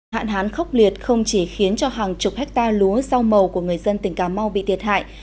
hạn hán khốc liệt không chỉ khiến cho hàng chục hectare lúa rau màu của người dân tỉnh cà mau bị thiệt hại